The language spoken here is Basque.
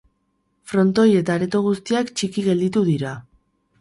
Frontoi eta areto guztiak txiki gelditu dira.